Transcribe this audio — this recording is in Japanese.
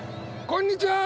こんにちは！